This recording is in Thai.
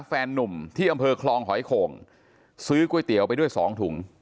นุ่มที่อำเภอคลองหอยโข่งซื้อก๋วยเตี๋ยวไปด้วย๒ถุง